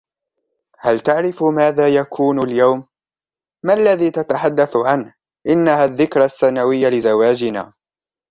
هل تعرف ماذا يكون اليوم؟ " ما الذي تتحدث عنهُ" " إنها الذكرى السنوية لزواجنا!"